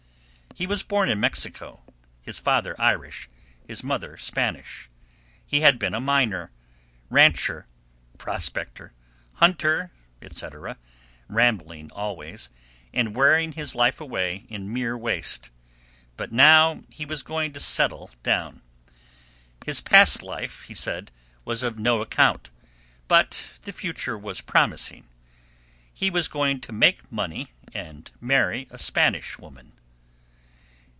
He was born in Mexico, his father Irish, his mother Spanish. He had been a miner, rancher, prospector, hunter, etc., rambling always, and wearing his life away in mere waste; but now he was going to settle down. His past life, he said, was of "no account," but the future was promising. He was going to "make money and marry a Spanish woman."